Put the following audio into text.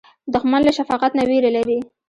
دښمن له شفقت نه وېره لري